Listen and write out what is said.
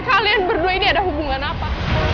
kalian berdua ini ada hubungan apa